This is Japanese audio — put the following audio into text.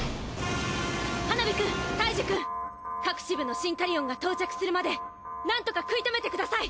ハナビくんタイジュくん各支部のシンカリオンが到着するまでなんとか食い止めてください。